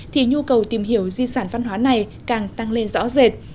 thì nhu cầu tìm hiểu di sản văn hóa này càng tăng lên rõ rệt